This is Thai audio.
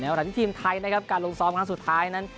หลังจากที่ทีมไทยนะครับการลงซ้อมครั้งสุดท้ายนั้น